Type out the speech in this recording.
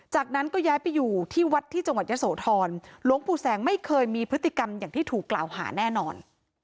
จากนั้นก็ย้ายไปอยู่ที่วัดที่จังหวัดยะโสธรหลวงปู่แสงไม่เคยมีพฤติกรรมอย่างที่ถูกกล่าวหาแน่นอน